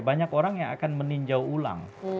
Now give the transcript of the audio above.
banyak orang yang akan meninjau ulang